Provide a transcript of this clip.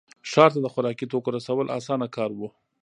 ښار ته د خوراکي توکو رسول اسانه کار و.